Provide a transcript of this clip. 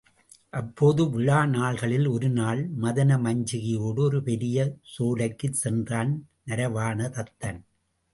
அப்போது விழா நாள்களில் ஒருநாள், மதன மஞ்சிகையோடு ஒரு பெரிய சோலைக்குச் சென்றான் நரவாண தத்தன்.